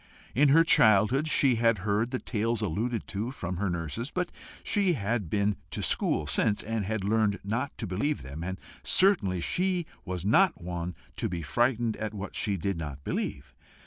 In her childhood she had heard the tales alluded to from her nurses, but she had been to school since, and had learned not to believe them; and certainly she was not one to be frightened at what she did not believe.